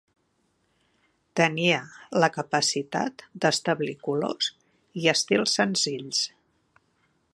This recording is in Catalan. Tenia la capacitat d'establir colors i estils senzills.